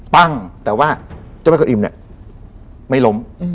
ปั้งแต่ว่าเจ้าแม่กะอิ่มเนี่ยไม่ล้ม